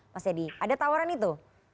mas edi ada tawaran itu